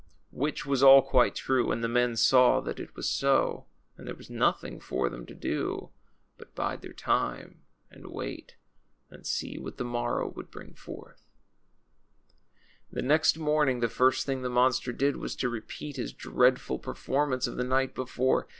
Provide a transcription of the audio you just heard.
Which Avas all quite true ; and the men saw that it... was so; and thexe was nothing for thein to— do but THE THRILLING STORY OF CAPTAIN NOMAN. II bide their time and wait and see what the morrow would bring forth. The next morning the first thing the monster did was to repeat his dreadful performance of the night before.